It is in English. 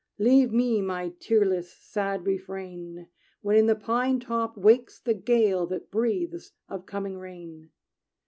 Leave me my tearless, sad refrain, When in the pine top wakes the gale That breathes of coming rain.